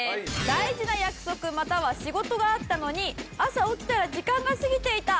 大事な約束または仕事があったのに朝起きたら時間が過ぎていた！